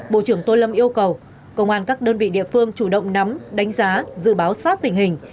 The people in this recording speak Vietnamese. bộ trưởng tô lâm yêu cầu công an các đơn vị địa phương chủ động nắm đánh giá dự báo sát tình hình